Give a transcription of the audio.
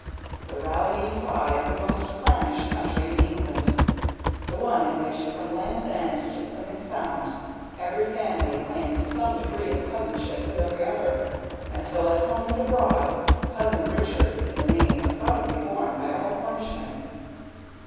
The rallying cry of the most clannish county in England. The one in which, from Land's End to Plymouth Sound, every family claims some degree of cousinship with every other, until, at home and abroad, "Cousin Richard" is the name proudly borne by all Cornishmen.